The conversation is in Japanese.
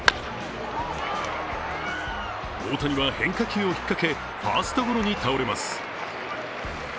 大谷は変化球を引っかけ、ファーストゴロに倒れます。